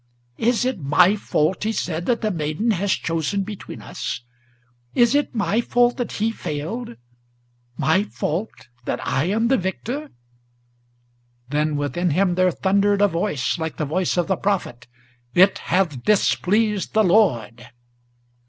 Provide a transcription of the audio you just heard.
"Is it my fault," he said, "that the maiden has chosen between us? Is it my fault that he failed, my fault that I am the victor?" Then within him there thundered a voice, like the voice of the Prophet: "It hath displeased the Lord!"